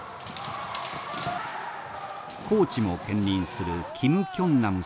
コーチも兼任するキム・キョンナム選手。